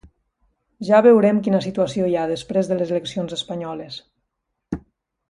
Ja veurem quina situació hi ha després de les eleccions espanyoles.